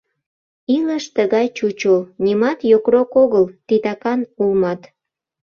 Илыш тыгай чучо, нимат йокрок огыл, титакан улмат...